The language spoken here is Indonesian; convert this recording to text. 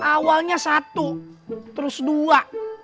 awalnya satu terus dua